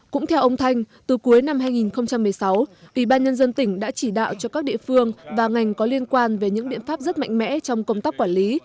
cũng theo ông thanh từ cuối năm hai nghìn một mươi sáu ủy ban nhân dân tỉnh đã chỉ đạo cho các địa phương và ngành có liên quan về những biện pháp rất mạnh mẽ trong công tác quản lý